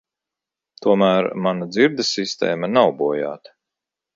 Tomēr mana dzirdes sistēma nav bojāta.